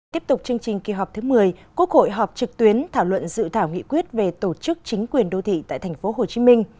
tiếp tục chương trình kỳ họp thứ một mươi quốc hội họp trực tuyến thảo luận dự thảo nghị quyết về tổ chức chính quyền đô thị tại tp hcm